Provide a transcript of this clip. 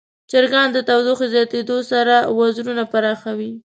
چرګان د تودوخې زیاتیدو سره وزرونه پراخوي.